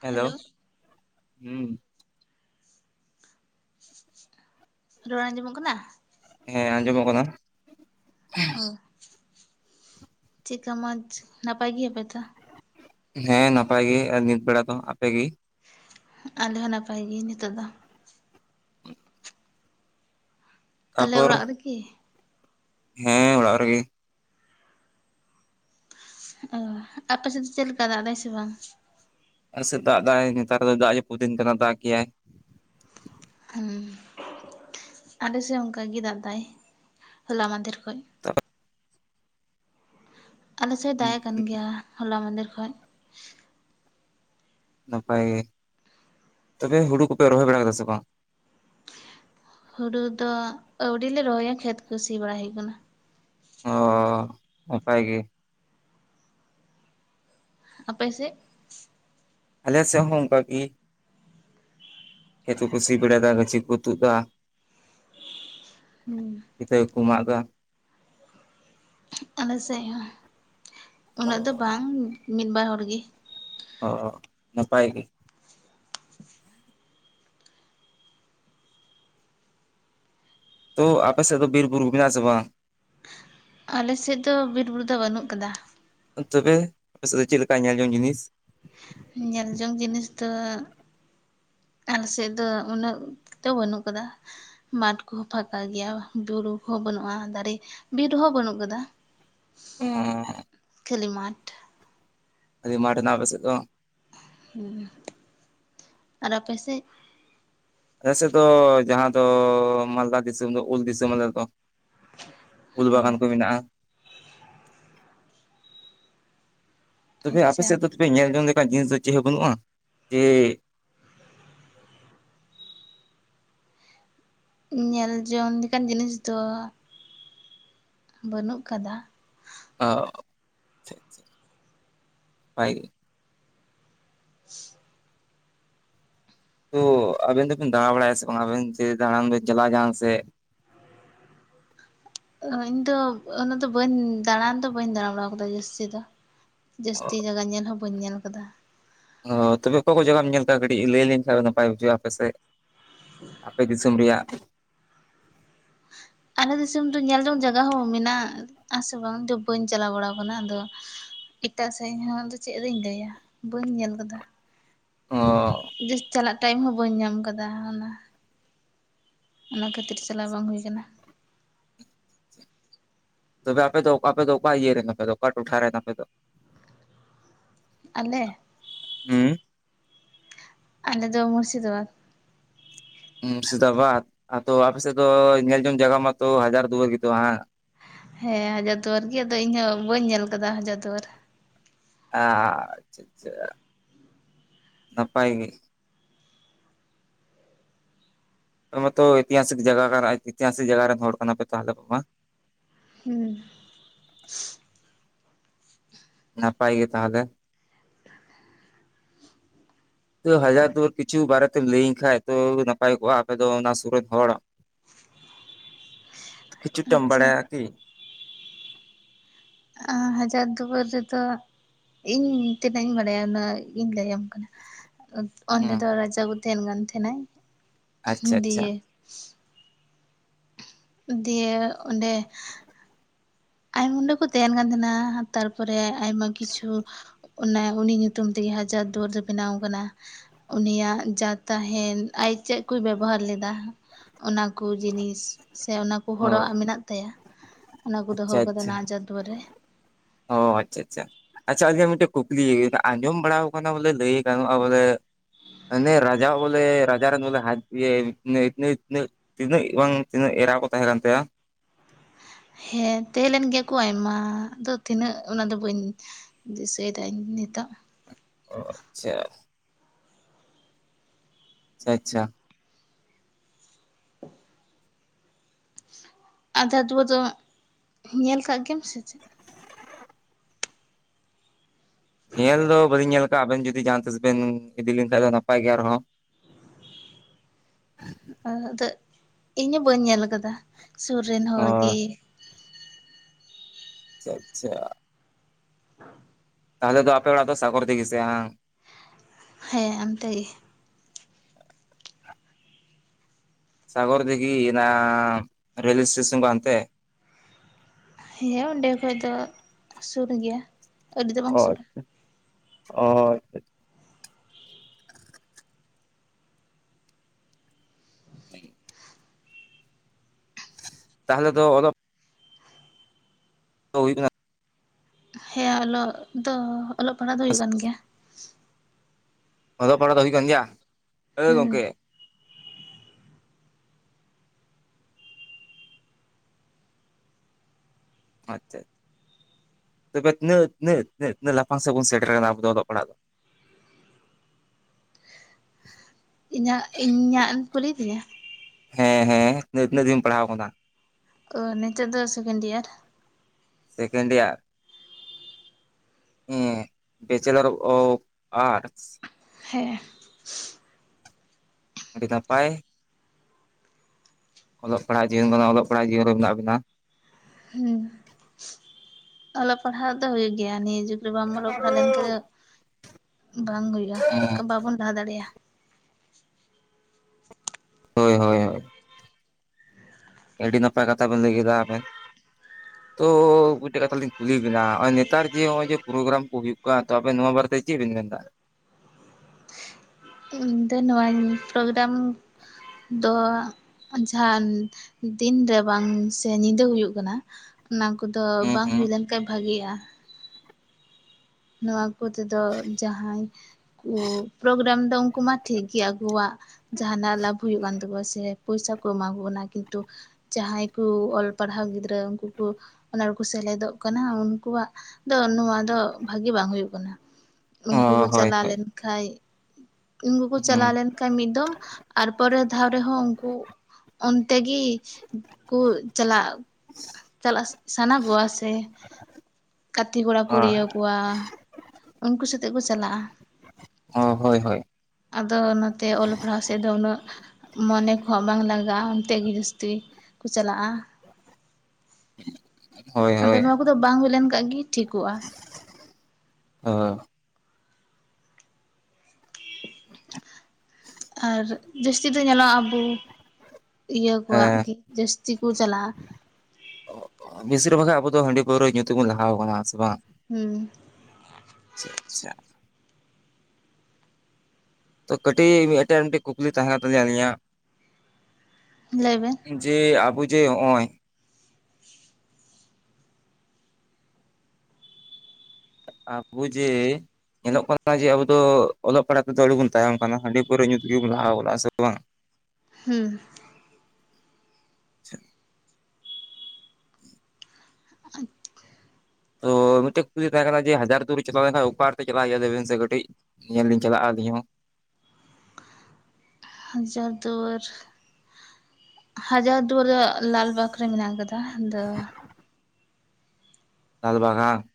Hello. ᱦᱩᱸ᱾ ᱨᱚᱲ ᱟᱸᱡᱚᱢᱚᱜ ᱠᱟᱱᱟ? ᱦᱮᱸ ᱟᱸᱡᱚᱢᱚᱜ ᱠᱟᱱᱟ᱾ ᱚ᱾ ᱪᱮᱫᱠᱟ ᱢᱚᱡᱽ ᱱᱟᱯᱟᱭ ᱜᱮᱭᱟ ᱯᱮ ᱛᱚ? ᱦᱮᱸ ᱱᱟᱯᱟᱭ ᱜᱮ ᱟᱨ ᱱᱤᱛ ᱵᱮᱲᱟ ᱫᱚ᱾ ᱟᱯᱮ ᱜᱮ? ᱟᱞᱮ ᱦᱚᱸ ᱱᱟᱯᱟᱭ ᱜᱮ ᱱᱤᱛᱳᱜ ᱫᱚ᱾ ᱛᱟᱞᱦᱮ ᱛᱟᱯᱚᱨ ᱚᱲᱟᱜ ᱨᱮᱠᱤ? ᱦᱮᱸ ᱚᱲᱟᱜ ᱨᱮᱜᱮ᱾ ᱚ ᱟᱯᱮ ᱥᱮᱫ ᱫᱚ ᱪᱮᱫ ᱞᱮᱠᱟ ᱫᱟᱜ ᱫᱟᱭ ᱥᱮ ᱵᱟᱝ? ᱟᱞᱮ ᱥᱮᱫ ᱫᱟᱜ ᱫᱟᱭ, ᱱᱮᱛᱟᱨ ᱫᱚ ᱫᱟᱜ ᱡᱟᱹᱯᱩᱫ ᱫᱤᱱ ᱠᱟᱱᱟ ᱫᱟᱜ ᱜᱮᱭᱟᱭ᱾ ᱦᱩᱸ᱾ ᱟᱞᱮ ᱥᱮᱫ ᱦᱚᱸ ᱚᱱᱠᱟ ᱜᱮ ᱫᱟᱜ ᱫᱟᱭ᱾ ᱦᱚᱞᱟ ᱢᱟᱫᱷᱮᱨ ᱠᱷᱚᱡ᱾ [inaudible] ᱟᱞᱮ ᱥᱮᱫ ᱦᱩᱸ ᱫᱟᱜᱼᱮᱜ ᱠᱟᱱ ᱜᱮᱭᱟ ᱦᱚᱞᱟ ᱢᱟᱫᱷᱮᱨ ᱠᱷᱚᱡ᱾ ᱱᱟᱯᱟᱭ ᱜᱮ, ᱛᱚᱵᱮ ᱦᱩᱲᱩ ᱠᱚᱯᱮ ᱨᱚᱦᱚᱭ ᱵᱟᱲᱟ ᱠᱟᱫᱟ ᱥᱮ ᱵᱟᱝ? ᱦᱩᱲᱩ ᱫᱚ ᱟᱹᱣᱨᱤᱼᱞᱮ ᱨᱚᱦᱚᱭᱟ ᱠᱷᱮᱛ ᱠᱚ ᱥᱤ ᱵᱟᱲᱟᱭ ᱦᱩᱭᱩᱜ ᱠᱟᱱᱟ᱾ ᱚ ᱱᱟᱯᱟᱭ ᱜᱮ᱾ ᱟᱯᱮ ᱥᱮᱫ? ᱟᱞᱮ ᱥᱮᱫ ᱦᱚᱸ ᱚᱱᱠᱟᱜ ᱜᱮ᱾ ᱦᱮᱸᱛᱚᱜ ᱠᱚ ᱥᱤ ᱵᱟᱲᱟᱭ ᱫᱟ ᱜᱟᱹᱪᱷᱤ ᱠᱚ ᱛᱩᱫᱼᱫᱟ᱾ ᱦᱩᱸ᱾ ᱵᱷᱤᱛᱟᱹ ᱠᱚᱠᱚ ᱢᱟᱜᱼᱫᱟ᱾ ᱟᱞᱮ ᱥᱮᱫ ᱦᱚᱸ ᱩᱱᱟᱹᱜ ᱫᱚ ᱵᱟᱝ ᱢᱤᱫ ᱵᱟᱨ ᱦᱚᱲᱜᱤ᱾ ᱚᱼᱚᱼᱚ ᱱᱟᱯᱟᱭ ᱜᱮ᱾ ᱛᱚ ᱟᱯᱮ ᱥᱮᱫ ᱫᱚ ᱵᱤᱨᱵᱩᱨᱩ ᱢᱮᱱᱟᱜ ᱟᱼᱥᱮ ᱵᱟᱝ? ᱟᱞᱮᱥᱮᱫ ᱫᱚ ᱵᱤᱨᱼᱵᱩᱨᱩ ᱫᱚ ᱵᱟᱹᱱᱩᱜ ᱠᱟᱫᱟ᱾ ᱛᱚᱵᱮ ᱟᱯᱮ ᱥᱮᱫ ᱫᱚ ᱪᱮᱫ ᱞᱮᱠᱟ ᱧᱮᱞ ᱡᱚᱝ ᱡᱤᱱᱤᱥ? ᱧᱮᱞ ᱡᱚᱝ ᱡᱤᱱᱤᱥ ᱫᱚ ᱟᱞᱮᱥᱮᱫ ᱫᱚ ᱩᱱᱟᱹᱜ ᱛᱚ ᱵᱟᱹᱱᱩᱜ ᱠᱟᱫᱟ᱾ ᱢᱟᱴᱷ ᱠᱚᱦᱚᱸ ᱯᱷᱟᱸᱠᱟ ᱜᱮᱭᱟ, ᱵᱩᱨᱩ ᱠᱚᱦᱚᱸ ᱵᱟᱹᱱᱩᱜᱼᱟ, ᱫᱟᱨᱮ ᱵᱤᱨ ᱦᱚᱸ ᱵᱟᱹᱱᱩᱜ ᱠᱟᱫᱟ᱾ [unintelligible] ᱠᱷᱟᱹᱞᱤ ᱢᱟᱴᱷ᱾ ᱠᱷᱟᱹᱞᱤ ᱢᱟᱴᱷ ᱦᱮᱱᱟᱜᱼᱟ ᱟᱯᱮ ᱥᱮᱫ ᱫᱚ? ᱦᱩᱸ᱾ ᱟᱨ ᱟᱯᱮ ᱥᱮᱫ? ᱟᱞᱮ ᱥᱮᱫ ᱫᱚ ᱡᱟᱦᱟᱸ ᱫᱚ ᱢᱟᱞᱫᱟ ᱫᱤᱥᱚᱢ ᱫᱚ ᱩᱞ ᱫᱤᱥᱚᱢ ᱟᱞᱮ ᱫᱚ᱾ ᱩᱞ ᱚ ᱵᱟᱜᱟᱱ ᱠᱚ ᱢᱮᱱᱟᱜᱼᱟ᱾ ᱛᱚᱵᱮ ᱟᱯᱮ ᱟᱪᱪᱷᱟ ᱥᱮᱫ ᱫᱚ ᱛᱚᱵᱮ ᱧᱮᱞ ᱡᱚᱝ ᱞᱮᱠᱟᱱᱟᱜ ᱡᱤᱱᱤᱥ ᱫᱚ ᱪᱮᱫ ᱦᱚᱸ ᱵᱟᱹᱱᱩᱜᱼᱟ? ᱡᱮ ᱧᱮᱞ ᱡᱚᱝ ᱞᱮᱠᱟᱱ ᱡᱤᱱᱤᱥ ᱫᱚ ᱵᱟᱹᱱᱩᱜ ᱟᱠᱟᱫᱟ᱾ ᱚᱼᱚ ᱟᱪᱪᱷᱟ ᱟᱪᱪᱷᱟ ᱵᱷᱟᱜᱮ ᱜᱮ᱾ [inaudible] ᱛᱚ ᱟᱵᱤᱱ ᱫᱚᱵᱤᱱ ᱫᱟᱬᱟ ᱵᱟᱲᱟᱭᱟ ᱥᱮ ᱵᱟᱝ ᱟᱵᱤᱱ ᱡᱮ ᱫᱟᱬᱟᱱ ᱵᱤᱱ ᱪᱟᱞᱟᱜᱼᱟ ᱡᱟᱦᱟ ᱥᱮᱫ? ᱤᱧ ᱫᱚ ᱚᱱᱟ ᱫᱚ ᱵᱟᱹᱧ ᱫᱟᱬᱟᱱ ᱫᱚ ᱵᱟᱹᱧ ᱫᱟᱬᱟ ᱵᱟᱲᱟᱣ ᱠᱟᱫᱟ ᱡᱟᱹᱥᱛᱤ ᱫᱚ᱾ ᱡᱟᱹᱥᱛᱤ ᱡᱟᱭᱜᱟ ᱧᱮᱞ ᱦᱚᱸ ᱵᱟᱹᱧ ᱧᱮᱞ ᱟᱠᱟᱫᱟ᱾ ᱚ ᱛᱚᱵᱮ ᱚᱠᱟ ᱠᱚ ᱡᱟᱭᱜᱟᱢ ᱧᱮᱞ ᱠᱟᱜᱼᱟ ᱠᱟᱹᱴᱤᱡ ᱞᱟᱹᱭᱟᱞᱤᱧ ᱠᱷᱟᱡ ᱟᱨᱚ ᱱᱟᱯᱟᱭ ᱵᱩᱡᱷᱟᱹᱜᱼᱟ ᱟᱯᱮ ᱥᱮᱫ᱾ ᱟᱯᱮ ᱫᱤᱥᱚᱢ ᱨᱮᱭᱟᱜ᱾ ᱟᱞᱮ ᱫᱤᱥᱚᱢ ᱫᱚ ᱧᱮᱞ ᱡᱚᱝ ᱡᱟᱭᱜᱟ ᱦᱚᱸ ᱢᱮᱱᱟᱜ-ᱟ ᱥᱮ ᱵᱟᱝ ᱤᱧ ᱫᱚ ᱵᱟᱹᱧ ᱪᱟᱞᱟᱣ ᱵᱟᱲᱟᱣ ᱠᱟᱱᱟ ᱟᱫᱚ ᱮᱴᱟᱜ ᱥᱮᱫ ᱤᱧ ᱦᱚᱸ ᱟᱫᱚ ᱪᱮᱫ ᱨᱤᱧ ᱞᱟᱹᱭᱟ? ᱵᱟᱹᱧ ᱧᱮᱞ ᱠᱟᱫᱟ᱾ ᱚ ᱡᱟᱥᱴ ᱪᱟᱞᱟᱜ ᱴᱟᱭᱤᱢ ᱦᱚᱸ ᱵᱟᱹᱧ ᱧᱟᱢ ᱠᱟᱫᱟ ᱚᱱᱟ᱾ ᱚᱱᱟ ᱠᱷᱟᱹᱛᱤᱨ ᱪᱟᱞᱟᱣ ᱵᱟᱝ ᱦᱩᱭ ᱠᱟᱱᱟ᱾ ᱛᱚᱵᱮ ᱟᱯᱮ ᱫᱚ ᱟᱯᱮ ᱫᱚ ᱚᱠᱟ ᱤᱭᱟᱹ ᱨᱮᱱ ᱟᱯᱮ ᱫᱚ ᱚᱠᱟ ᱴᱚᱴᱷᱟ ᱨᱮᱱ ᱟᱯᱮ ᱫᱚ? ᱟᱞᱮ? ᱦᱩᱸ᱾ ᱟᱞᱮ ᱫᱚ ᱢᱩᱨᱥᱤᱫᱟᱵᱟᱫᱽ᱾ ᱢᱩᱨᱥᱤᱫᱟᱵᱟᱫᱽ, ᱟᱫᱚ ᱟᱯᱮ ᱥᱮᱫ ᱫᱚ ᱧᱮᱞ ᱡᱚᱝ ᱡᱟᱭᱜᱟ ᱢᱟᱛᱚ ᱦᱟᱡᱟᱨ ᱫᱩᱣᱟᱹᱨ ᱜᱮᱛ ᱦᱟᱸᱜ᱾ ᱦᱮᱸ ᱦᱟᱡᱟᱨ ᱫᱩᱣᱟᱹᱨ ᱜᱮ ᱟᱫᱚ ᱤᱧ ᱦᱚᱸ ᱵᱟᱹᱧ ᱧᱮᱞ ᱠᱟᱫᱟ ᱦᱟᱡᱟᱨ ᱫᱩᱣᱟᱹᱨ᱾ ᱟ ᱟᱪᱪᱷᱟ ᱟᱪᱪᱷᱟ ᱱᱟᱯᱟᱭ ᱜᱮ᱾ ᱱᱚᱣᱟ ᱛᱚ ᱤᱛᱤᱦᱟᱥᱤᱠ ᱡᱟᱭᱜᱟ ᱠᱟᱱᱟ ᱤᱛᱤᱦᱟᱥ ᱡᱟᱭᱜᱟ ᱨᱮᱱ ᱦᱚᱲ ᱠᱟᱱᱟ ᱯᱮ ᱛᱟᱦᱞᱮ ᱟᱯᱮ ᱫᱚ ᱵᱟᱝ? ᱦᱩᱸ᱾ ᱱᱟᱯᱟᱭ ᱜᱮ ᱛᱟᱦᱚᱞᱮ᱾ ᱛᱚ ᱦᱟᱡᱟᱨ ᱫᱣᱟᱹᱨ ᱠᱤᱪᱷᱩ ᱵᱟᱨᱮᱛᱮᱢ ᱞᱟᱹᱭ ᱟᱹᱧ ᱠᱷᱟᱡ ᱫᱚ ᱱᱟᱯᱟᱭ ᱠᱚᱜᱼᱟ ᱟᱯᱮ ᱫᱚ ᱚᱱᱟ ᱥᱩᱨ ᱨᱮᱱ ᱦᱚᱲ᱾ ᱠᱤᱪᱩ ᱴᱟᱢ ᱟᱪᱪᱷᱟ ᱵᱟᱲᱟᱭᱟ ᱠᱤ? ᱮᱸ ᱦᱟᱡᱟᱨ ᱫᱩᱣᱟᱹᱨ ᱨᱮᱫᱚ ᱤᱧ ᱛᱤᱱᱟᱹᱜ ᱤᱧ ᱵᱟᱲᱟᱭᱟ ᱩᱱᱟᱹᱜ ᱤᱧ ᱞᱟᱹᱭ ᱟᱢ ᱠᱟᱱᱟ᱾ ᱚᱸ ᱚᱸᱰᱮ ᱦᱮᱸ ᱫᱚ ᱨᱟᱡᱟ ᱠᱚ ᱛᱟᱦᱮᱱ ᱠᱟᱱ ᱛᱟᱦᱮᱱ ᱟᱭ ᱟᱪᱪᱷᱟ ᱟᱪᱪᱷᱟ᱾ ᱫᱤᱭᱮ ᱚᱸᱰᱮ ᱟᱭᱢᱟ ᱚᱸᱰᱮ ᱠᱚ ᱛᱟᱦᱮᱱ ᱠᱟᱱ ᱛᱟᱦᱮᱱᱟ ᱛᱟᱨᱯᱚᱨᱮ ᱟᱭᱢᱟ ᱠᱤᱪᱷᱩ, ᱚᱱᱟ ᱩᱱᱤ ᱧᱩᱛᱩᱢ ᱛᱮᱜᱮ ᱦᱟᱡᱟᱨ ᱫᱩᱣᱟᱹᱨ ᱫᱚ ᱵᱮᱱᱟᱣ ᱠᱟᱱᱟ᱾ ᱩᱱᱤᱭᱟᱜ ᱡᱟ ᱛᱟᱦᱮᱱ ᱟᱡ ᱪᱮᱫ ᱠᱚᱭ ᱵᱮᱵᱚᱦᱟᱨ ᱞᱮᱫᱟ, ᱚᱱᱟ ᱠᱚ ᱡᱤᱱᱤᱥ ᱥᱮ ᱚᱱᱟ ᱠᱚ ᱚ ᱦᱚᱲᱚᱜ-ᱟᱜ ᱢᱮᱱᱟᱜ ᱛᱟᱭᱟ᱾ ᱚᱱᱟ ᱠᱚ ᱫᱚᱦᱚ ᱟᱪᱪᱷᱟ ᱠᱟᱫᱟ ᱟᱪᱪᱷᱟ ᱚᱱᱟ ᱦᱟᱡᱟᱨ ᱫᱩᱭᱟᱹᱨ ᱨᱮ᱾ ᱚ ᱟᱪᱪᱷᱟ ᱟᱪᱪᱷᱟ, ᱟᱪᱪᱷᱟ ᱤᱧᱟᱹᱜ ᱢᱤᱫᱴᱮᱡ ᱠᱩᱠᱞᱤ ᱚᱱᱮ ᱟᱸᱡᱚᱢ ᱵᱟᱲᱟᱣ ᱠᱟᱱᱟ ᱵᱚᱞᱮ ᱞᱟᱹᱭ ᱜᱟᱱᱚᱜᱼᱟ ᱵᱚᱞᱮ ᱢᱮᱱᱫᱤᱧ ᱨᱟᱡᱟᱣᱟᱜ ᱵᱚᱞᱮ ᱨᱟᱡᱟ ᱨᱮᱱ ᱵᱚᱞᱮ ᱦᱟᱡ [unintelligible] [unintelligible] ᱛᱤᱱᱟᱹᱜ ᱵᱟᱝ ᱛᱤᱱᱟᱹᱜ ᱮᱨᱟ ᱠᱚ ᱛᱟᱦᱮ ᱞᱮᱱ ᱠᱟᱱ ᱛᱟᱭᱟ? ᱦᱮᱸ ᱛᱮᱦᱮᱸ ᱞᱮᱱ ᱜᱮᱭᱟ ᱠᱚ ᱟᱭᱢᱟ ᱟᱫᱚ ᱛᱤᱱᱟᱹᱜ ᱚᱱᱟᱫᱚ ᱵᱟᱹᱧ ᱫᱤᱥᱟᱹᱭ ᱫᱟ ᱤᱧ ᱱᱤᱛᱳᱜ᱾ ᱚ ᱟᱪᱪᱷᱟ᱾ ᱟᱪᱪᱷᱟ ᱟᱪᱪᱷᱟ᱾ [inaudible] ᱟᱫᱷᱟ ᱫᱩᱣᱟᱹ ᱫᱚ ᱧᱮᱞ ᱠᱟᱜ ᱜᱮᱭᱟᱢ ᱥᱮ ᱪᱮᱫ? ᱧᱮᱞ ᱫᱚ ᱵᱟᱹᱞᱤᱧ ᱧᱮᱞ ᱠᱟᱜᱼᱟ ᱟᱵᱮᱱ ᱡᱩᱫᱤ ᱡᱟᱦᱟᱸ ᱛᱤᱥ ᱵᱮᱱ ᱤᱫᱤ ᱞᱤᱧ ᱠᱷᱟᱡ ᱫᱚ ᱱᱟᱯᱟᱭ ᱜᱮ ᱟᱨᱦᱚᱸ᱾ ᱟᱫᱚ ᱤᱧ ᱦᱚᱸ ᱵᱟᱹᱧ ᱧᱮᱞ ᱠᱟᱫᱟ᱾ ᱥᱩᱨ ᱨᱮᱱ ᱚ ᱦᱚᱲ ᱜᱤ᱾ ᱟᱪᱪᱷᱟ ᱟᱪᱪᱷᱟ᱾ [unintelligible] ᱛᱟᱦᱚᱞᱮ ᱫᱚ ᱟᱯᱮ ᱚᱲᱟᱜ ᱫᱚ ᱥᱟᱜᱚᱨ ᱫᱤᱜᱷᱤ ᱥᱮᱣᱟᱝ᱾ ᱦᱮᱸ, ᱚᱱᱛᱮ ᱜᱮ ᱥᱟᱜᱚᱨ ᱫᱤᱜᱷᱤ ᱚᱱᱟ ᱨᱮᱞ ᱥᱴᱮᱥᱚᱱ ᱠᱚ ᱦᱟᱱᱛᱮ? ᱦᱮᱸ, ᱚᱸᱰᱮ ᱠᱷᱚᱡ ᱫᱚ ᱥᱩᱨ ᱜᱤᱭᱟ᱾ ᱚ ᱟᱪᱪᱷᱟ, ᱚᱻ ᱟᱪᱪᱷᱟ ᱪᱷᱟ᱾ [unintelligible] ᱛᱟᱦᱚᱞᱮ ᱫᱚ ᱚᱞᱚᱜ ᱠᱚ ᱦᱩᱭ ᱠᱟᱱᱟ? ᱦᱮᱸ, ᱚᱞᱚᱜ ᱫᱚ ᱚᱞᱚᱜ ᱯᱟᱲᱦᱟᱜ ᱫᱚ ᱦᱩᱭᱩᱜ ᱠᱟᱱ ᱜᱮᱭᱟ᱾ ᱚᱫᱚᱜ ᱯᱟᱲᱦᱣ ᱫᱚ ᱦᱩᱭ ᱠᱟᱱ ᱜᱮᱭᱟ ᱟᱹᱭ ᱦᱮᱸ ᱜᱚᱝᱠᱮ ᱟᱪᱪᱷᱟ ᱪᱷᱟ, ᱛᱚᱵᱮ ᱛᱤᱱᱟᱹᱜ ᱛᱤᱱᱟᱹᱜ ᱛᱤᱱᱟᱹᱜ ᱞᱟᱯᱷᱟᱝ ᱥᱮᱫ ᱵᱚᱱ ᱥᱮᱴᱮᱨ ᱟᱠᱟᱱᱟ ᱟᱵᱚ ᱫᱚ ᱚᱞᱚᱜ ᱯᱟᱲᱦᱟᱜ ᱫᱚ? ᱤᱧᱟᱜ ᱤᱧ ᱟᱜ ᱮᱢ ᱠᱩᱞᱤᱭ ᱫᱤᱧᱟ? ᱦᱮᱸ ᱦᱮᱸ, ᱛᱤᱱᱟᱹᱜ ᱛᱤᱱᱟᱹᱜ ᱫᱟᱵᱤᱡ ᱮᱢ ᱯᱟᱲᱦᱟᱣ ᱠᱟᱱᱟ? ᱚ ᱱᱤᱛᱳᱜ ᱫᱚ ᱥᱮᱠᱮᱱᱰᱤᱭᱟᱨ᱾ ᱥᱮᱠᱮᱱᱰᱤᱭᱟ ᱦᱮᱸᱵᱮᱪᱮᱞᱟᱨ [unintelligible] ᱦᱮᱸ᱾ ᱟᱰᱤ ᱱᱟᱯᱟᱭ᱾ ᱚᱞᱚᱜ ᱯᱟᱲᱦᱟᱜ ᱡᱤᱭᱚᱱ ᱠᱟᱱᱟ, ᱚᱞᱚᱜ ᱯᱟᱲᱦᱟᱜ ᱡᱤᱭᱚᱱ ᱨᱮ ᱢᱮᱱᱟᱜ ᱵᱤᱱᱟ᱾ ᱦᱩᱸ᱾ ᱚᱞᱚᱜ ᱯᱟᱲᱦᱟᱣ ᱫᱚ ᱦᱩᱭᱩᱜ ᱜᱮᱭᱟ, ᱱᱤᱭᱟᱹ ᱡᱩᱜᱽ ᱨᱮ ᱵᱟᱢ ᱚᱞᱚᱜ ᱯᱟᱲᱦᱟᱣ ᱞᱮᱱᱠᱷᱟᱡ ᱫᱚ ᱵᱟᱝ ᱦᱩᱭᱩᱜ ᱜᱮᱭᱟ, ᱵᱟᱠᱷᱟᱱ ᱵᱟᱵᱚᱱ ᱞᱟᱦᱟ ᱫᱟᱲᱮᱭᱟ᱾ ᱦᱳᱭ ᱦᱳᱭ ᱦᱳᱭ᱾ ᱟᱹᱰᱤ ᱱᱟᱯᱟᱭ ᱠᱟᱛᱷᱟ ᱵᱮᱱ ᱞᱟᱹᱭ ᱠᱮᱫᱟ ᱟᱵᱮᱱ᱾ ᱛᱚ ᱢᱤᱫᱴᱮᱡ ᱠᱟᱛᱷᱟ ᱞᱤᱧ ᱠᱩᱞᱤᱭᱮᱱ ᱵᱤᱱᱟ, ᱦᱚᱜ-ᱚᱭ ᱱᱮᱛᱟᱨ ᱡᱮ ᱦᱚᱜ-ᱚᱭ ᱡᱮ ᱯᱨᱚᱜᱨᱟᱢ ᱠᱚ ᱦᱩᱭᱩᱜ ᱠᱟᱱᱟ, ᱛᱚ ᱟᱵᱮᱱ ᱱᱚᱣᱟ ᱵᱟᱨᱮᱛᱮ ᱪᱮᱫ ᱵᱤᱱ ᱢᱮᱱ ᱫᱟ? ᱤᱧ ᱫᱚ ᱱᱚᱣᱟ ᱯᱨᱚᱜᱨᱟᱢ ᱫᱚ ᱟᱪᱪᱷᱟ ᱫᱤᱱ ᱫᱚ ᱵᱟᱝ ᱥᱮ ᱧᱤᱫᱟᱹ ᱦᱩᱭᱩᱜ ᱠᱟᱱᱟ᱾ ᱚᱱᱟ ᱠᱚᱫᱚ ᱦᱩᱸ ᱵᱟᱝ ᱦᱩᱸ ᱦᱩᱭ ᱞᱮᱱ ᱠᱷᱟᱱ ᱵᱷᱟᱜᱤᱜ-ᱟ᱾ ᱱᱚᱣᱟ ᱠᱩ ᱛᱮᱫᱚ ᱡᱟᱦᱟᱸᱭ ᱠᱩ ᱯᱨᱚ [unintelligible] ᱢᱟ ᱴᱷᱤᱠ ᱜᱮ ᱟᱜᱩᱣᱟᱜ ᱡᱟᱦᱟᱱᱟᱜ ᱞᱟᱵᱷ ᱦᱩᱭᱩᱜ ᱠᱟᱱ ᱛᱟᱠᱚᱣᱟ ᱥᱮ ᱯᱩᱭᱥᱟ ᱠᱚ ᱮᱢᱟᱠᱚ ᱠᱟᱱᱟ ᱠᱤᱱᱛᱩ ᱡᱟᱦᱟᱸᱭ ᱠᱩ ᱚᱞ ᱯᱟᱲᱦᱟᱣ ᱜᱤᱫᱽᱨᱟᱹ ᱩᱱᱠᱩ ᱠᱩ ᱚᱱᱟ ᱨᱮᱠᱚ ᱥᱮᱞᱮᱫᱚᱜ ᱠᱟᱱᱟ ᱩᱱᱠᱩᱣᱟᱜ ᱫᱚ ᱱᱚᱣᱟ ᱫᱚ ᱵᱷᱟᱜᱤ ᱵᱟᱝ ᱦᱩᱭᱩᱜ ᱠᱟᱱᱟ, ᱚ ᱩᱱᱠᱩ ᱠᱚ ᱦᱳᱭ ᱪᱟᱞᱟᱣ ᱦᱳᱭ ᱞᱮᱱᱠᱷᱟᱡ ᱩᱱᱠᱩ ᱠᱚ ᱪᱟᱞᱟᱣ ᱦᱩᱸ ᱞᱮᱱ ᱠᱟᱢᱤ ᱫᱚ ᱟᱨ ᱯᱚᱨᱮ ᱫᱷᱟᱣ ᱨᱮᱦᱚᱸ ᱩᱱᱠᱩ ᱚᱱᱛᱮ ᱜᱤ ᱠᱩ ᱪᱟᱞᱟᱜ ᱪᱟᱞᱟᱜ ᱥᱟᱱᱟ ᱠᱚᱣᱟ ᱥᱮ ᱜᱟᱛᱮ ᱠᱚᱲᱟ ᱚ ᱠᱩᱲᱤᱭᱟᱹ᱾ ᱠᱚᱣᱟ ᱩᱱᱠᱩ ᱥᱟᱛᱮᱠ ᱠᱚ ᱪᱟᱞᱟᱜ-ᱟ᱾ ᱦᱚᱸ ᱦᱚᱭ ᱦᱚᱭ᱾ ᱟᱫᱚ ᱱᱚᱛᱮ ᱚᱞ ᱯᱟᱲᱦᱟᱣ ᱥᱮᱫ ᱫᱚ ᱩᱱᱟᱹᱜ ᱢᱚᱱᱮ ᱠᱚ ᱦᱚᱸ ᱵᱟᱝ ᱞᱟᱜᱟᱜ-ᱟ ᱚᱱᱛᱮ ᱜᱮ ᱡᱟᱹᱥᱛᱤ ᱠᱩ ᱪᱟᱞᱟᱜ-ᱟ᱾ ᱦᱳᱭ, ᱦᱳᱭ ᱾ ᱠᱩ ᱫᱚ ᱵᱟᱝ ᱦᱩᱭ ᱞᱮᱱ ᱠᱷᱟᱱ ᱜᱮ ᱴᱷᱤᱠᱚᱜ-ᱟ᱾ [inaudible] ᱟᱨ ᱡᱟᱹᱥᱛᱤ ᱫᱚ ᱧᱮᱞᱚᱜ-ᱟ, ᱟᱵᱚ ᱤᱭᱟᱹ ᱠᱚᱣᱟᱜ ᱦᱮᱸ ᱜᱮ ᱡᱟᱹᱥᱛᱤ ᱠᱚ ᱪᱟᱞᱟᱜ-ᱟ᱾ ᱵᱮᱥᱤᱨ ᱵᱷᱟᱜ ᱟᱵᱚ ᱫᱚ ᱦᱟᱺᱰᱤ ᱯᱟᱹᱣᱨᱟᱹ ᱧᱩ ᱛᱮᱵᱚᱱ ᱞᱟᱦᱟᱣ ᱟᱠᱟᱱᱟ ᱥᱮ ᱵᱟᱝ ᱾ ᱦᱩᱸ ᱾ ᱟᱪᱪᱷᱟ, ᱟᱪᱪᱷᱟ ᱾ ᱛᱚ ᱠᱟᱹᱴᱤᱡ ᱢᱤᱫᱴᱮᱱ ᱠᱩᱠᱞᱤ ᱛᱟᱦᱮᱸ ᱛᱟᱞᱤᱧᱟ ᱟᱹᱞᱤᱧᱟᱜ ᱞᱟᱹᱭ ᱵᱤᱱ ᱡᱮ ᱟᱵᱚ ᱡᱮ ᱦᱚᱜ-ᱚᱭ ᱟᱵᱚ ᱡᱮ ᱧᱮᱞᱚᱜ ᱠᱟᱱᱟ ᱡᱮ ᱟᱵᱚ ᱫᱚ ᱚᱞᱚᱜ ᱯᱟᱲᱦᱟᱜ ᱛᱮᱫᱚ ᱟᱹᱰᱤ ᱵᱚᱱ ᱛᱟᱭᱚᱢ ᱟᱠᱟᱱᱟ ᱦᱟᱺᱰᱤ ᱯᱟᱣᱨᱟᱹ ᱧᱩ ᱛᱮᱜᱮᱵᱚᱱ ᱞᱟᱦᱟᱣ ᱟᱠᱟᱱ ᱥᱮ ᱵᱟᱝ? ᱦᱩᱸ ᱾ [inaudible] ᱛᱚ ᱢᱤᱫᱴᱮᱡ ᱠᱩᱠᱞᱤ ᱛᱟᱦᱮᱸ ᱠᱟᱱᱟ ᱡᱮ ᱦᱟᱡᱟᱨ ᱫᱩᱨ ᱨᱮ ᱪᱟᱞᱟᱣ ᱞᱮᱱᱠᱷᱟᱱ ᱚᱯᱟᱨ ᱛᱮ ᱪᱟᱞᱟᱜ ᱦᱩᱭᱩᱜ-ᱟ ᱥᱮ ᱠᱟᱹᱴᱤᱡ ᱧᱮᱧᱮᱞ ᱞᱤᱧ ᱪᱟᱞᱟᱜ-ᱟ, ᱟᱹᱞᱤᱧ ᱦᱚᱸ ᱾ ᱦᱟᱡᱟᱨ ᱫᱩᱣᱟᱹᱨ ᱦᱟᱡᱟᱨ ᱫᱩᱣᱟᱹᱨ ᱞᱟᱞᱵᱟᱜᱽ ᱨᱮ ᱢᱮᱱᱟᱜ ᱟᱠᱟᱫᱟ ᱟᱫᱚ ᱞᱟᱞᱵᱟᱜᱟᱱ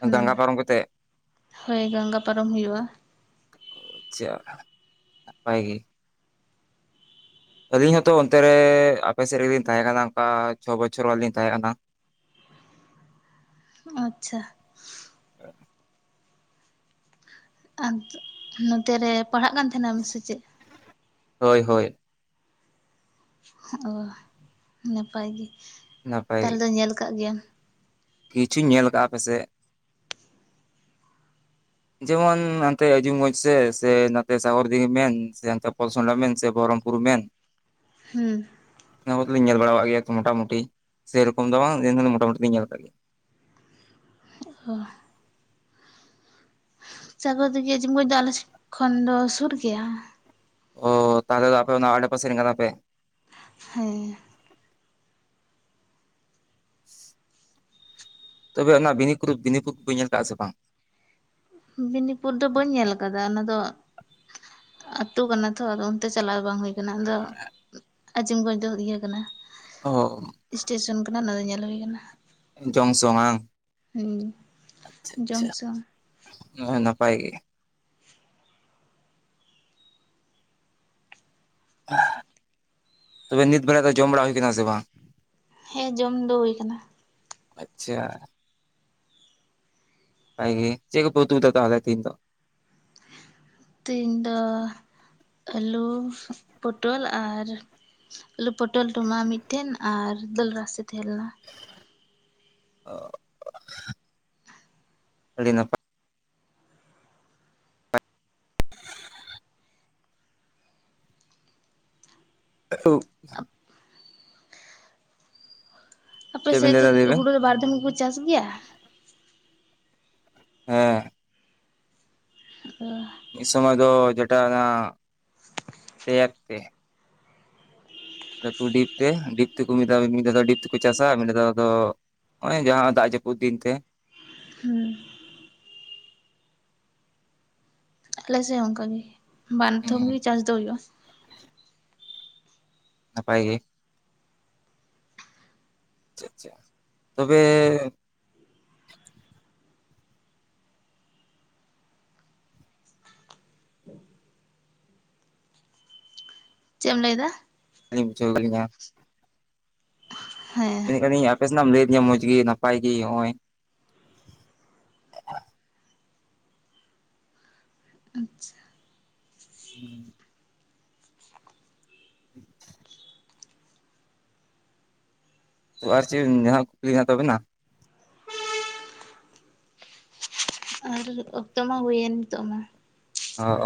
ᱦᱩᱸ ᱦᱳᱭ ᱜᱚᱝᱜᱟ ᱯᱟᱨᱚᱢ ᱦᱩᱭᱩᱜ-ᱟ ᱾ ᱪᱮᱫ ᱞᱮᱠᱟ ᱱᱟᱯᱟᱭ ᱜᱮ? ᱟᱞᱤᱧ ᱦᱚᱸᱛᱚ ᱚᱱᱛᱮ ᱨᱮ ᱟᱯᱮᱥᱮᱫ ᱨᱮᱞᱤᱧ ᱛᱟᱦᱮᱸ ᱠᱟᱱᱟ ᱚᱱᱠᱟ ᱪᱷᱚ ᱵᱚᱪᱷᱚᱨ ᱢᱟᱞᱤᱧ ᱛᱟᱦᱮᱸ ᱠᱟᱱᱟ ᱾ ᱟᱪᱪᱷᱟ ᱾ [inaudible] ᱟᱫ ᱱᱚᱛᱮ ᱨᱮ ᱯᱟᱲᱦᱟᱜ ᱠᱟᱱ ᱛᱟᱦᱮᱱᱟᱢ ᱥᱮ ᱪᱮᱫ? ᱦᱳᱭ, ᱦᱳᱭ ᱾ [inaudible] ᱱᱟᱯᱟᱭ ᱜᱮ ᱱᱟᱯᱟᱭ ᱛᱟᱦᱚᱞᱮ ᱫᱚ ᱧᱮᱞ ᱠᱟᱜ ᱜᱮᱭᱟᱢ ᱾ ᱠᱤᱪᱷᱩᱧ ᱧᱮᱞ ᱟᱠᱟᱜ-ᱟ ᱟᱯᱮᱥᱮᱫ ᱾ ᱡᱮᱢᱚᱱ ᱦᱟᱱᱛᱮ ᱟᱡᱤᱢᱜᱚᱡᱽ ᱥᱮᱫ ᱥᱮ ᱱᱚᱛᱮ ᱥᱟᱜᱚᱨ ᱫᱤᱜᱤ ᱢᱮᱱ ᱥᱮᱛᱮ ᱯᱚᱨᱥᱚᱱᱰᱟ ᱢᱮᱱ ᱥᱮ ᱵᱚᱦᱚᱨᱚᱢᱯᱩᱨ ᱢᱮᱱ [inaudible] ᱦᱮᱸ ᱾ ᱚᱱᱟ ᱠᱚᱫᱚ ᱞᱤᱧ ᱧᱮᱞ ᱵᱟᱲᱟᱜ ᱜᱮᱭᱟ, ᱢᱚᱴᱟᱢᱩᱴᱤ ᱥᱮᱨᱚᱠᱚᱢ ᱫᱚ ᱵᱟᱝ ᱢᱚᱴᱟᱢᱩᱴᱤ ᱞᱤᱧ ᱧᱮᱞ ᱠᱟᱜ ᱜᱮᱭᱟ ᱾ [inaudible] ᱥᱟᱜᱚᱨ ᱫᱤᱜᱷᱤ, ᱟᱡᱤᱢᱜᱚᱡᱽ ᱫᱚ ᱟᱞᱮᱥᱮᱫ ᱠᱷᱚᱱ ᱫᱚ ᱥᱩᱨ ᱜᱮᱭᱟ ᱾ ᱚ ᱛᱟᱦᱚᱞᱮ ᱫᱚ ᱟᱯᱮ ᱚᱱᱟ ᱟᱰᱮᱯᱟᱥᱮᱱ ᱠᱟᱱᱟ ᱯᱮ ᱾ ᱦᱮᱸ ᱾ [inaudible] ᱛᱚᱵᱮ ᱚᱱᱟ ᱵᱤᱱᱤᱠ ᱵᱤᱱᱤᱯᱩᱨ ᱵᱟᱹᱧ ᱧᱮᱞ ᱟᱠᱟᱫᱼᱟ ᱥᱮ ᱵᱟᱝ? ᱵᱮᱱᱤᱯᱩᱨ ᱫᱚ ᱵᱟᱹᱧ ᱧᱮᱞ ᱟᱠᱟᱫᱟ᱾ ᱚᱱᱟ ᱫᱚ ᱟᱹᱛᱩ ᱠᱟᱱᱟ ᱛᱚ ᱚᱱᱛᱮ ᱪᱟᱞᱟᱜᱣ ᱫᱚ ᱵᱟᱝ ᱦᱩᱭ ᱾ ᱟᱫᱚ ᱟᱹᱡᱤᱢᱜᱚᱡᱽ ᱫᱚ ᱤᱭᱟᱹ ᱠᱟᱱᱟ ᱾ ᱚ ᱥᱴᱮᱥᱚᱱ ᱠᱟᱱᱟ ᱚᱱᱟ ᱫᱚ ᱧᱮᱞ ᱦᱩᱭ ᱟᱠᱟᱱᱟ ᱾ ᱡᱚᱝ ᱥᱚᱝᱼᱟ ᱟᱪᱪᱷᱟ, ᱡᱚᱝᱥᱚᱱ ᱟᱪᱪᱷᱟ, ᱱᱟᱯᱟᱭ ᱜᱮ ᱾ ᱛᱚᱵᱮ ᱱᱤᱛ ᱵᱮᱲᱟ ᱫᱚ ᱡᱚᱢ ᱵᱟᱲᱟ ᱦᱩᱭ ᱠᱟᱱᱟ ᱥᱮ ᱵᱟᱝ? ᱦᱮᱸ ᱡᱚᱢ ᱫᱚ ᱦᱩᱭ ᱠᱟᱱᱟ ᱾ ᱟᱪᱪᱷᱟ ᱾ ᱱᱟᱯᱟᱭ ᱜᱮ ᱟᱮ ᱪᱮᱫ ᱠᱚᱯᱮ ᱩᱛᱩᱭᱫᱟ ᱛᱤᱦᱤᱱ ᱫᱚ? ᱛᱤᱦᱧᱤ ᱫᱚ ᱟᱹᱞᱩ, ᱯᱚᱴᱚᱞ, ᱟᱨ ᱟᱞᱹᱩ ᱯᱚᱴᱚᱞ ᱴᱚᱢᱟ ᱢᱤᱫᱴᱮᱱ ᱟᱨ ᱫᱟᱹᱞ ᱨᱟᱥᱮ ᱛᱟᱦᱮᱸ ᱞᱮᱱᱟ ᱾ ᱚ ᱟᱹᱰᱤ ᱱᱟᱯᱟᱭ [inaudible] ᱟᱯᱮ ᱪᱮᱫ ᱵᱮᱱ ᱥᱮᱫ ᱫᱚ ᱞᱟᱹᱭᱫᱟ ᱞᱟᱹᱭ ᱵᱮᱱ ᱦᱩᱲᱩ ᱫᱚ ᱵᱟᱨ ᱫᱤᱱ ᱜᱮᱠᱚ ᱪᱟᱥ ᱜᱮᱭᱟ? ᱦᱮᱸ ᱾ ᱟᱨ, ᱢᱤᱫ ᱥᱚᱢᱚᱭ ᱫᱚ ᱡᱮᱴᱟ ᱚᱱᱟ ᱯᱭᱟᱠ ᱛᱮ, ᱞᱟᱹᱴᱩ ᱰᱤᱯ ᱛᱮ ᱰᱤᱯ ᱛᱮᱠᱚ ᱢᱤᱫ ᱫᱷᱟ ᱢᱤᱫ ᱫᱷᱟᱣ ᱫᱚ ᱰᱤᱯ ᱛᱮᱠᱚ ᱪᱟᱥᱟ ᱾ᱢᱤᱫ ᱫᱷᱟᱣ ᱫᱚ, ᱱᱚᱜᱼᱚᱭ ᱡᱟᱦᱟᱸ ᱫᱟᱜ ᱡᱟᱹᱯᱩᱫ ᱫᱤᱱ ᱛᱮ ᱦᱮᱸ, ᱟᱟᱦᱚᱞᱮ ᱥᱮ ᱚᱱᱠᱟ ᱜᱮ ᱵᱟᱨᱫᱷᱚᱢ ᱦᱩᱸ ᱜᱮ ᱪᱟᱥ ᱫᱚ ᱦᱩᱭᱩᱜᱼᱟ ᱾ ᱱᱟᱯᱟᱭ ᱜᱮ ᱾ ᱟᱪᱪᱷᱟ ᱟᱪᱪᱷᱟ, ᱛᱚᱵᱮ ᱪᱮᱫ ᱮᱢ ᱞᱟᱹᱭᱮᱫᱟ? ᱞᱤᱧ ᱢᱩᱧᱟ ᱦᱮᱸ ᱢᱮᱱᱠᱷᱤᱧ ᱟᱯᱮ ᱥᱮᱱᱟᱜ ᱮᱢ ᱞᱟᱹᱭᱫᱤᱧᱟ ᱢᱚᱸᱡᱽ ᱜᱮ ᱱᱟᱯᱟᱭ ᱜᱮ ᱦᱚᱜ ᱚᱭ ᱾ ᱦᱮ, ᱟᱪᱪᱷᱟ, ᱦᱩᱸ᱾ [inaudible] ᱛᱚ ᱟᱨ ᱪᱮᱫ ᱡᱟᱦᱟᱸ ᱠᱩᱠᱞᱤᱤᱧ ᱦᱟ ᱛᱟᱵᱮᱱᱟ ᱾ ᱟᱨ ᱩᱛᱩ ᱢᱟ ᱦᱩᱭᱮᱱ ᱱᱤᱛᱚᱜ ᱢᱟ ᱾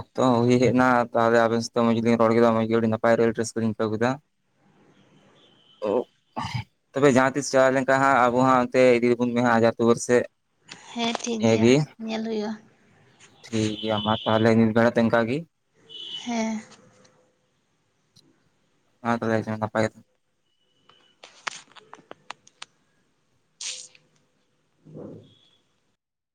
ᱚᱠᱛᱚ ᱦᱚᱸ ᱦᱩᱭᱮᱡ ᱮᱱᱟ ᱛᱟᱦᱚᱞᱮ ᱟᱵᱮᱱ ᱥᱟᱶᱛᱮ ᱢᱚᱡᱽ ᱜᱮᱤᱧ ᱨᱚᱲ ᱠᱮᱫᱟ ᱢᱚᱸᱡᱽ ᱜᱮ ᱟᱹᱰᱤ ᱱᱟᱯᱟᱭ ᱨᱮᱹ ᱨᱮᱥᱠᱟᱹᱞᱤᱧ ᱟᱹᱭᱠᱟᱹᱣ ᱠᱮᱫᱟ ᱾ ᱚᱸ᱾ ᱛᱚᱵᱮ ᱡᱟᱦᱟᱸ ᱛᱤᱥ ᱪᱟᱞᱟᱣ ᱞᱮᱱᱠᱷᱟᱱ ᱦᱟᱸᱜ ᱟᱵᱚ ᱦᱟᱸ ᱚᱱᱛᱮ ᱤᱫᱤ ᱨᱮᱵᱚᱱ ᱢᱮᱦᱜ ᱦᱟᱡᱟᱨᱛᱚᱵᱚᱨ ᱥᱮᱜ ᱾ ᱦᱮᱸ ᱴᱷᱤᱠ ᱜᱮᱭᱟ, ᱧᱮᱞ ᱦᱩᱭᱩᱜᱼᱟ ᱾ ᱴᱷᱤᱠ ᱜᱮᱭᱟ ᱢᱟ ᱛᱟᱦᱚᱞᱮ ᱱᱤᱛ ᱵᱮᱲᱟ ᱫᱚ ᱚᱱᱠᱟ ᱜᱮ ᱦᱮᱸ᱾ ᱢᱟ ᱛᱟᱦᱚᱞᱮ ᱱᱟᱯᱟᱭ ᱜᱮ